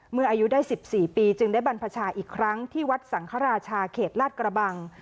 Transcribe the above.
อายุได้๑๔ปีจึงได้บรรพชาอีกครั้งที่วัดสังฆราชาเขตลาดกระบัง